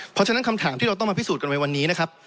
เพราะฉะนั้นคำถามที่เราต้องมาพิสูจนกันในวันนี้นะครับ